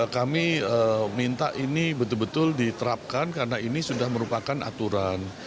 kami minta ini betul betul diterapkan karena ini sudah merupakan aturan